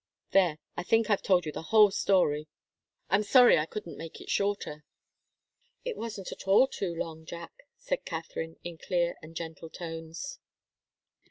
There I think I've told you the whole story. I'm sorry I couldn't make it shorter." "It wasn't at all too long, Jack," said Katharine, in clear and gentle tones.